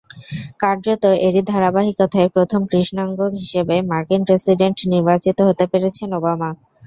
কার্যত এরই ধারাবাহিকতায় প্রথম কৃষ্ণাঙ্গ হিসেবে মার্কিন প্রেসিডেন্ট নির্বাচিত হতে পেরেছেন ওবামা।